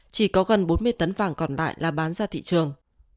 chỉ có gần bốn mươi tấn vàng còn lại là bán ra thị trường